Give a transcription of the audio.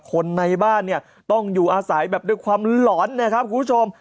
คนในบ้านเนี่ยต้องอยู่อาศัยแบบด้วยความหลอนนะครับคุณผู้ชม